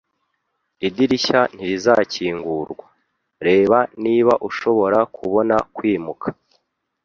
Idirishya ntirizakingurwa. Reba niba ushobora kubona kwimuka